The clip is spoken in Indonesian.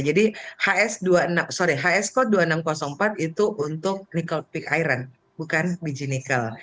jadi hs code dua ribu enam ratus empat itu untuk nikel pick iron bukan biji nikel